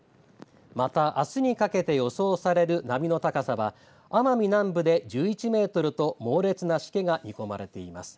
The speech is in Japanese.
またあすにかけて予想される波の高さは奄美南部で１１メートルと猛烈なしけが見込まれています。